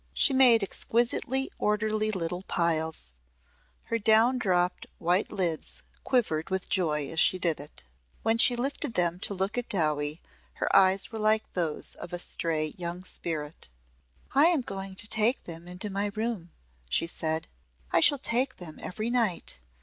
She made exquisitely orderly little piles. Her down dropped white lids quivered with joy as she did it. When she lifted them to look at Dowie her eyes were like those of a stray young spirit. "I am going to take them into my room," she said. "I shall take them every night.